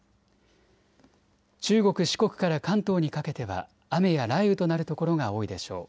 中国・四国から関東にかけては雨や雷雨となる所が多いでしょう。